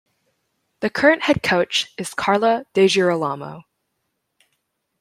The current head coach is Carla DeGirolamo.